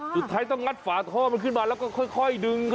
สุดท้ายต้องงัดฝาท่อมันขึ้นมาแล้วก็ค่อยดึง